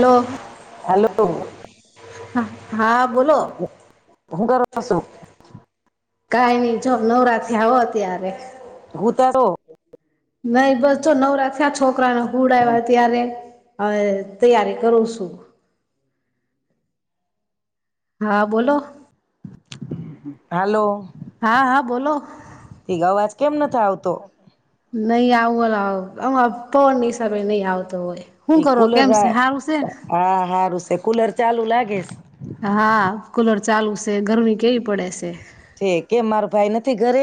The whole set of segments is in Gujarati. હલો હાલો હા બોલો. હું કરો છો કાઈ નઈ જો નવરા થઈ આવો ત્યારે. હું તા છો? નહી બસ જો નવરા થયા છો કરાને હુવડાવ્યા ત્યારે. હવે તૈયારી કરું શું. હા બોલો. હાલો. હા હા બોલો. તો નહી આવું ઓલા માર અપ્પા હિસાબે નહીં આવ કુલર હા હા રુષે કુલર ચાલુ લાગે. એશ. હા કુલર ચાલુ શે ગરમી કેવી પડે શે. છે કે મારો ભાઈ નથી ઘરે?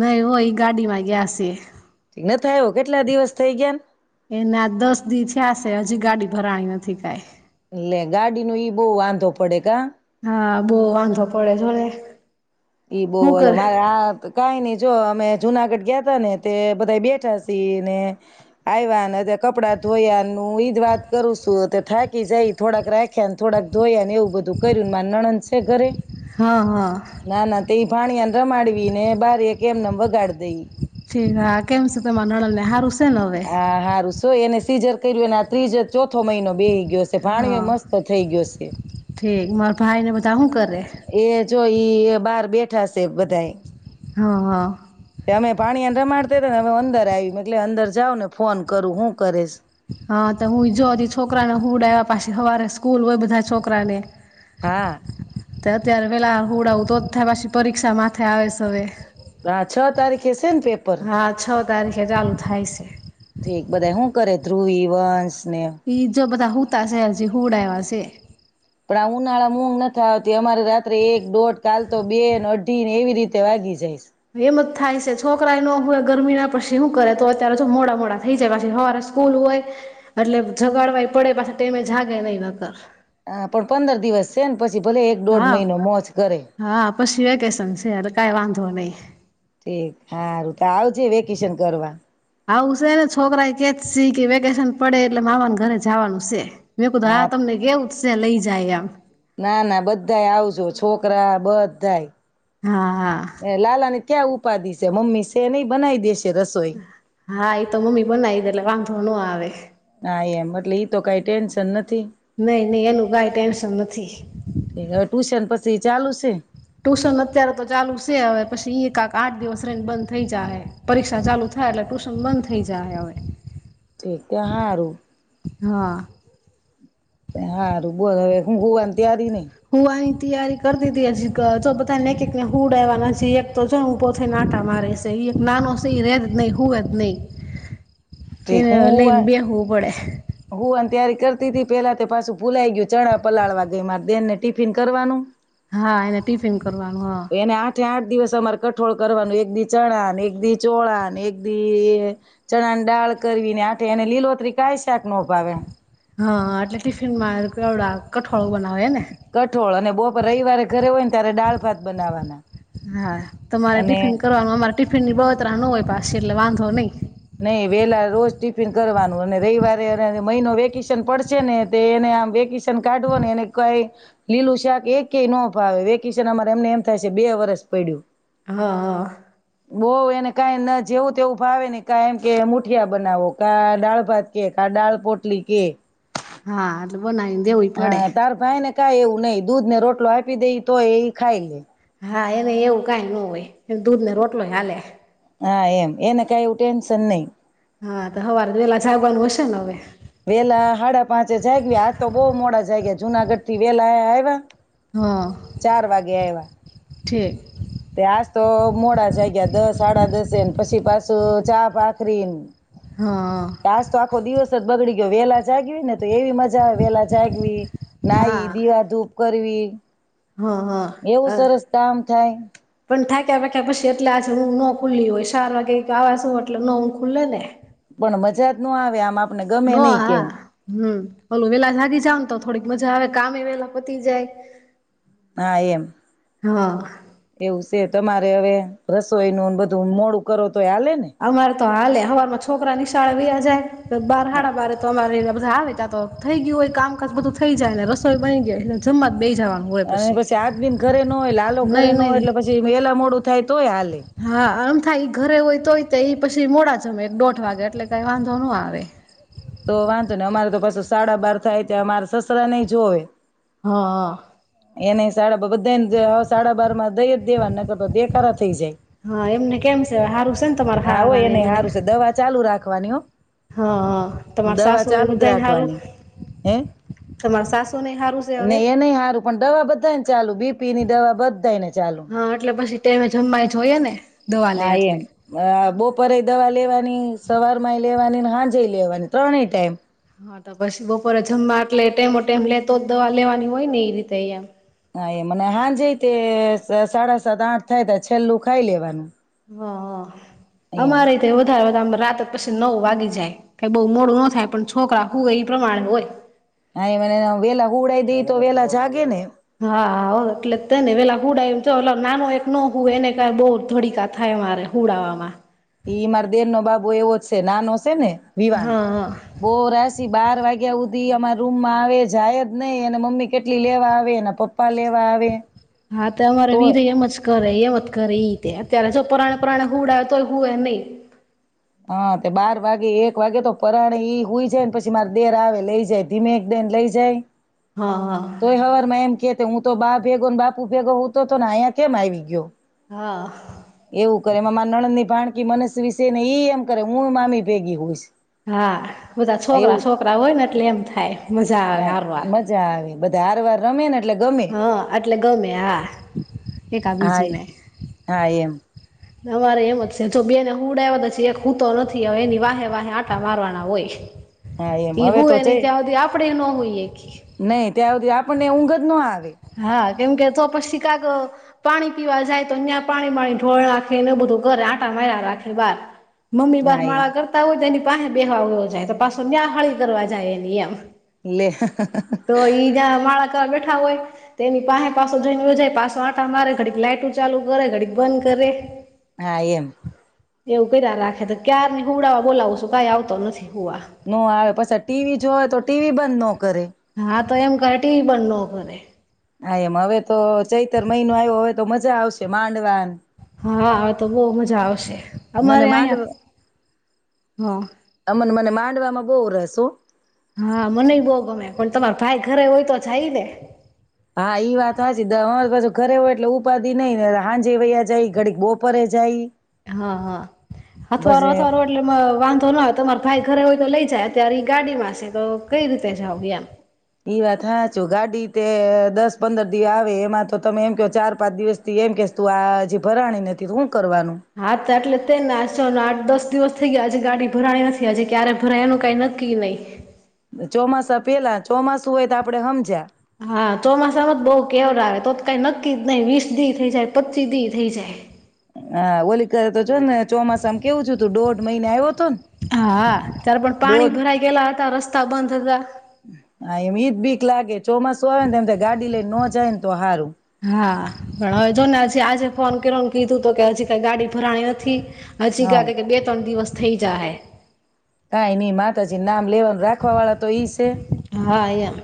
નહી હોય ઈ ગાડીમાં ગયા છે નથ આવ્યો કેટલા દિવસ થઈ ગયા ન. એના દસ દી થયાસે હજી ગાડી ભરાણી નથી કાઈ. લે ગાડીનો ઈ બહુ વાંધો પડે કા? હા બોવ વાંધો પડે જોને? ઈ બોવ શું અલા કરે મારે આ કાઈ નઈ જો અમે જુનાગઢ ગયા તા ને તે બધા બેઠા શી ને આયવા ને કપડા ધોયાનું ઈ જ વાત કરું છું તે થાકી જાય થોડાક રાખ્યા થોડાક ધોયા ને એવું બધું કર્યું મા નણંદ શે ઘરે હા હા તે ભાણીયાન રમાડવી ને બારી એ કેમને એમનમ વગાડ દઈ ઠીક હા કેમ શું તમાર નણંદને હારું છે ને હવે હ હા હારુ સ એને સીઝર કયરુ ને આ ત્રીજ ચોથ થો મહિનો બેહી ગયો છે હા ભાણીયો ય મસ્ત થઈ ગયો છે. ઠીક મારા ભાઈ ને બધા હું કરે એ જોય ઈ બહાર બેઠા શે બધાય. હા હા. અમે પાણીયાને રમાડતા હતા ને અ અંદર આવ્યું એટલે અંદર જાાવ ને ફોન કરું હું કરેશ હા તો હું ઈ જો છોકરાને હું ઉડાવ્યા પાછી સવારે સ્કૂલ હોય બધા છોકરા ને હા તે અત્યારે પેલા હોડા તો જ થાય પછી પરીક્ષા માથે આવે છે હવે હા છ તારીખે છેેન પેપર હા છ તારીખે ચાલુ થાય છે. ઠીક બધા શું કરે ધ્રુવી, વંશ ને એ જો બધા હુતાશે હજી હુડા એવા છે ઉઘ નથી આવતી અમારે રાત્રે એક દોઢ કાલ તો બે અઢી ને એવી રીતે તે વાદી જાય છે [inaudible] થાય છે છોકરા ન હોય ગરમી ના પછી શું કરે તો અત્યારે મોડા મોડા થઈ જાય પાછી સવારે સ્કૂલ હોય એટલે જગાડવા પડે પાછ ટમે જાગે નહીં વગર હા પણ પંદર દિવસ છે ને પછી ભલે એક દોઢ હા મહિનો મોજ કરે કઈ વાંધો નહીં ઠીક સારું તો આવજે વેકેશન કરવા આવું છે ને છોકરા એ કે સ કે વેકેશન પડે એટલે મામાને ઘરે જવાનું છે. મેં હા કધા તમને કેવું સ લઈ જાય એમ ના ના બધા આવજો છોકરા બધા હા હા ક્યા ઉપાધિ છે મમ્મી છે નહી બનાવી દેશે રસોઈ હા આતો ઇ તો મમ્મી બોનાયલા વાં ઘ નો આવે ના એમ મટલે ઈ તો કઈ ટેન્શન નથી નહી નહી એનું કઈ ટેન્શન નથી ી ચાલુ છે ટુશન અત્યારે તો ચાલુ છે હવે પછીક આઠ દિવસ ર બંધ થઈ જાય હ પરીક્ષા ચાલુ થાય એટલે ટુશન બંધ થઇ જાય હ હવે ઠીક તે હારું હા. હારું બો હવે હું હોવાને ત્યારી નઈ હું વાહી તૈયારી કરતી હતી હજી જો બધાને એકને હુડ આવવા નથી એક તો છે ને ઉભો થઇ નાટા મારે છે એ નાનો સિં રહે જ નહી હોવે જ નહી ઠીક એને એલા ન બી હૂબોડે હું અને તારી કરતી ત પેલા તે પાછું ભુલાઈ ગયું ચણા પલાળવા ગઈ મારે બન ને ટિફિન કરવાનું હા એ ટિફિન કરવાવાનું હ એને આઠે આઠ દિવસ અમારે કઠોળ કરવાનું એક દી ચણા એક દી ચોળાન એક દી ચણાની દાળ કરવીને આઠે એને લીલોતરી કઈ શાક નો ભાવે હા એટલે ટિફિન માં ઘણાં કઠોળ બના હવ હેને કઠોળ અને બપોર રવિવારે ઘરે હોય ને ત્યારે દાળ ભાત બનાવવાના હા તમારે અને ટીફીન કરવાન અમારે ટીફીનની બડતરા ના હોય એટલે વાંધો હ નહી નહીં વેલા રોજ ટિફિન કરવાનું અને રવિવારે મહિનો વેકેશન પડશે ને એને આમ વેકેશન કાઢવો ને એને કઈ લીલું શાક એ કય ન ભાવે વેકેશન અમારે એમને એમ થાય છે બે વરસ પડ્યું હા હા કઈ ન જેવું તેવું ભાવે ને કા એમ કે મુઠિયા બનાવો કા દાળ ભાત કે કા દાળ પોટલી કે હા તો બનાવીને દેવું પડે હા તાર ભાઈ ને કઈ એવું નહી દૂધ ને રોટલો આપી દે તો એ ખાઈ લે હા એને એવું કઈ ન હોય એ દૂધ ને રોટલો ચાલે હા એમ એને કઈું એવું ટેન્શન નહી હા તો સવારે વેલા જાગવાનું હશે ને હવે વહેલા હાડા પાંચે જાગ્યા આજ તો બહુ મોડા જાગ્યા જુનાગઢ થી વહેલા ય આયવા ચાર વાગ્યા એવા ઉઠે તે આજ તો મોડા જ ગયા દસ સાડા દસને પછી પાછું ચા ભાખરીને હા તો આજ તો આખો દિવસ જ બગડી ગયો વહેલા જાગવી ને તો એવી મજા આવે વેલા જાગવી નાઈ હા દીવાધૂપ કરી [inaudible] હ એવું હ સરસ કામ થાય [inaudible] પી એટલેજે હું ન ખુલ્લી હોય ચાર વાગે આવ છું એટલે ન હું ખુલ્લે ને પણ મજા જ ન આવે આમ આપને ગમે નો નહી હા ક્યાંય હમ હોલું વેલા જાગી જાવને તો થોડીક મજા આવે કામે વહેલા પતી જાય હા એમ હા એવું છે તમારે હવે રસોઈનું બધું મોડું કરો તોય હાલે ને અમારે તો હાલે હવારમાં છોકરા નિશાળ વ્યા જાય બાર હાળા બારે તો અમારે બધા આવે ત્યા તો થઈ ગયું હોય કામકાજ બધું થઈ જાય ને રસોઈ બની જાય એટલે જમવાનું અને પછી હાથબીન કરે ન હોય લાલ કરે નઈ ન હોય નઈ એટલે પછી વહેલા મોડું થાય તોય હાલે હા આમ થાય ઘરે હોય તોય તે પછી મોડા જમે એક દોઢ વાગે એટલે કઈ વાંધો ન આવે. તો વાંધો ને અમારે તો પાછું સાઢા બાર થાય ત અમારે સસરા નેય જોવે. હા એને સાઢા બાર બધાને સાઢા બાર માં દેવાના તો દે કર હા એમને કેમ છે હારું છે ને તમાર હા હાર હોય ને એને સારું છે દવા [unintelligible] હા. તમાર દવા સાસુ ને ચાલુ જ બધાને હારું રાખવાની હે એ તમાર સાસુ ને હારું છે નહ હવે એને હારું પણ દવા બધા ચાલુ બીપી ની દવા બધાાય ને ચાલુ. તેમે જમા જોયા ને દવા લે હા એમ એટલે અ બો બપોરે એ દવા લેવાની સવારમા ય લેવાની ને હાજય લેવાની ત્રણેય ટાઈમ હા તો પછી બપોરે જમવા એટલે ટેમોટેમ લેતો જ દવા લેવાની હોય ને એ રીતે હા એ મને હાજે તે સાડા સાત આઠ થાય ત છેલ્લું ખાઈ લેવાનું. હ એમ અમારે તે વધાર રાત જ પછી નવ વાગી જાય ક બહુ મોડું ન થાય પણ છોકરા હું એ પ્રમાણે હોય. હા એ મને વેલા હુંડાઈ દે તો વેલા જાગે ને. હાએટલે હ તને પેલા હુડાવ નાનો એક ન હોય એને ક બહ ધડીકા થાય મારે હુડામાં. ઈ માર દેર નો બાબુ એવો જ છે નાનોશે ને. વિવાન હા બો રાશિ બાર વાગ્યા સુધી રૂમમાં આવે જાય જ નહી એને મમ્મી કેટલી લેવા આવે એના પપ્પા લેવા આવે. હા તો અમારે તોય વીર એમ જ કરે એમ જ કરે ઈ અત્યારે જો પરાણે પરાણે હુડાય તોય હુંયે નહી. હા તે બાર વાગે એક વાગે તો પરાણે ઈ હોય જાય ને પછી મારે દેર આવે લઈ જાય ધીમે એક દેને લઈ જાય. હા હા તોય હવાર મે એમ હું તો બા ભેગો ને બાપુ ભેગો હું તો ને અહીયા કેમ આવી ગયો. હા. એવું કરે મા નણંદ ની ભણકી મનસ વિશે ને ઈ એમ કરે હું મામી ભેગી હુઈશ હા બધા છોકરા છોકરા હોય ને એટલે એમ થાય. મજા હા આવે મજા આવે બધા હાર વાર રમે એટલે ગમે હા એટલે ગમે હા એક આ હા બીજી ને. હા એમ અમારે એવોજ છે જો બેને હુવડાવો તો ચેક હુંતો નથી હ એની વાહે વાહે આટા મારવાના હોય. હા એમ એઈ હવે હું તો એની જઈ ત્યાં હુંધી આપડે હુએ. નહી ત્યાં સુધી આપણને ઊંધ જ ન આવે હા કેમ કે તો પસી કાક પાણી પીવા જાય તો ન્યાં પાણી બાણી ઢોળ નાખે ને એવુ બધું કરે. આટા માયરા રાખે બાર. મમ્મી હા એમ બારમાળા કરતા હોય તો એની પાસે બેહવા ગયો જાય તો પાછો ન્યાહાળી કરવા જાય એ નિ એમ. લે. તો બેઠાવ હોય. તેની પાસે પાછો જઈનેયો જાય પાછો આંટા મારે ઘડીક લાાઈટુ ચાલુ કરે ઘડીક બંધ કરે. હા એમ. એવું કર્યા રાખે તો ક્યાર ની હવડાવા બોલાવું છું કઈ આવતો નથી. હુવા ન આવે પછ ટીવી જોય તો ટીવી બંધ ન કરે. હા તો એમ ઘાટી બં નખને. હા એમ હવે તો ચૈતર મહિનો આવ્યો હવે તો મજા આવશે માંડવા હા તો બહ મજા આવશે મને અમારે અહં માંડવા હા. બ રહેસો. હા મનેય બહ ગમે પણ તમારા ભાઈ ઘરે હોય તો જાય ને. હા એઈ વાત હચ અરી પાછ ઘરે હોય એટલે ઉપાધિ નઈ ને હાંજ વૈયા જાય ઘડીક બપોરે જાય. હા હા. અથવારો પછી અથવારો એટલે વાંધો ના આવે તમારે ભાઈ ઘરે હોય તો લઈ જ અત્યારે ગાડીમાં છે તો કઈ રીતે જાવ એમ. એવા થાચું ગાડી તે દસ પંદર દિવસ આવે એમાં તો તમે એમ કે ચાર પાંચ દિવસ થી એમ કે તું આજી ભરાણી નથી તું હા તો એટલે થને છેને આઠ દસ દિવસ થઈ ગયા આજે ગાડી ભરાણી નથી આજે ક્યારે ભરાય એનું કઈ નક્કી નહી. ચોમાસા પેલા ચોમાસું હોય તો આપડે હમજ્યા હા ચોમાસામાં જ બહ કેવર આવે તો કઈ નક્કી જ નહી વીસ દી થઈ જાય પચીસ દી થઈ જાય. હ ઓલિક તો જો ને ચોમાસામ કેવું છું તું દોઢ મહિને આવ્યો. હતો ને હા ત્યારે પણ પાણી દોઢ ભરાઈ ગયેલા હતા રસ્તા બંધ હતા. હા એમ ઈજ બીક લાગે. ચોમાસું આવે ને તેમમ ગાડી લઈ ન જાયને તો હારું. હા પણ હવે જો ને હજી આજે ફોન કર્યોને કીધું તો કે હજી કઈ ગાડી ભરાણી નથી. હજી હા ગયા કે બે ત્રણ દિવસ થઈ જા હે. કાયની માતાજી નામ લેવાનું રાખવા વાળા તો ઈ છે, હા એમ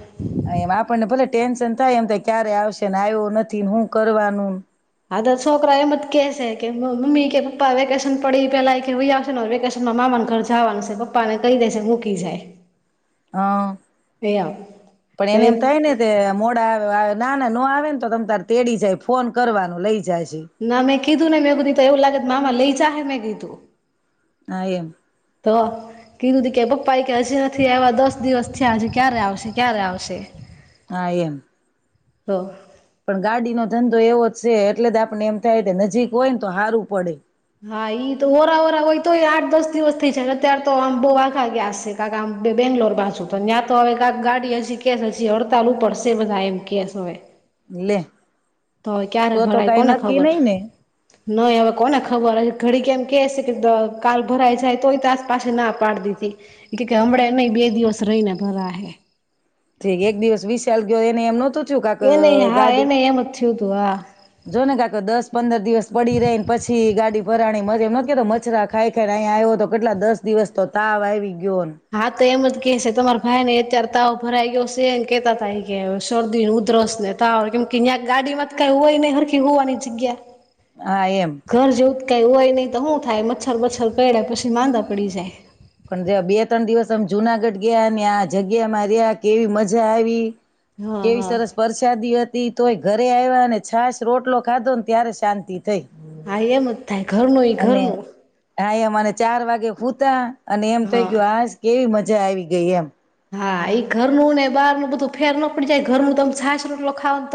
એમ આપણને ભલે ટેન્શન થાય એમ તો ક્યારે આવશે ને આવ્યો નથી હું કરવાનું. હા તો છોકરા એમ જ કે છે કે મમ્મી કે પપ્પા વેકેશન પડી પેલા મૂકી આવશે ને વેકેશન માં મામાનું ઘર જવાનું છે પપ્પા ને કહી દેશે મૂકી જાય. હા, એ આવ પણ તો એને એમ થાય ને તે મોડા તો આવે ના ના નો આવે ને તો તમ તારે તેડી જાય ફોન કરવાનું લઈ જાય. છે ના મેં કીધું ને મેં એ બધી તો એવું લાગે મામા લઈ જા હે મે કીધું. હા એમ. તો, કીધું હતુ કે પપ્પા એ કે હજી નથી આવા દસ દિવસ થીયા હજી ક્યારે આવશે ક્યારે આવશે. હ એમ. તો. પણ ગાડીનો ધંધો એવો જ છે એટલે જ આપને એમ થાય કે નજીક હોય ને તો હારું પડે. હા ઈ તો ઓરા ઓરા હોય તોએ આઠ દસ દિવસ થઈ છે અત્ય્યારે તો આમ બહ આઘા ગયા છે કાકા આમ બે બેંગ્લોર બાજુ તો ત્યાં તો હવે કાક ગાડી હજી કેસ હજી હડતાલ ઉપર છે બધા એમ કે છે હવે. લે. તો અવે ક્યારે તો તો ભરાય કઈ કોને નક્કી ખબર, નઈ ને નહી હવે કોને ખબર હ ઘડી કેમ કે છે કે કાલ ભરાય જાય તોય તાસ પાસે ના પાડ દીધી, કે કે હમણાં નહી બે દિવસ રહીને ભરા હે. ઠીક એક દિવસ વીસ સાલ ગયો એને એમ નતુ કાક એને હા ગાડી, એને એમ જ થયું તું હા જોને કાકા દસ પંદર દિવસ પડી રેને પછી ગાડી વરાણી મજા એમ નતો કેતો મચરા ખાય ખાયને અહીયા આવ્યો તો કેટલા દસ દિવસ તો તાવ આવી. ગયો ને. હા તો એમ જ કે છે તમારા ભાઈ ને અત્યારે તાવ ભરાઈ ગયો છે એમ કેતા તા એ કે શરદી ઉધરસ ને તાવ કેમ કે કયાક ગાડી માં કઈ હોય ને હરખી હોવાની જગ્યા. હા એમ કંઈ હોય નઈ તો હું થાય મચ્છર બચ્છર કય્ડા પછી માંદા પડી જાય. પણ જે બે તણ દિવસ અમ જુનાગઢ ગયા ને આ જગ્યામાં રહ્યા કેવી મજા આય્વી હા કેવી હા સરસ પરસાદી અતી. તોય ઘરે આય્વા ને છાશ રોટલો ખાધોને ત્યારે શાંતિ થઈ હા એમ જ થાય ઘરનું ઈ અને ઘરનું. હા એમ અને ચાર વાગે હૂતા અને એમ થઈ હા ગયું હાશ કેવી મજા આય્વી ગેય એમ હા એ ઘરનું ને બહારનું બધું ફેર ન પડી જાય ઘરનું તમ છાસ રોટલો ખાવને તો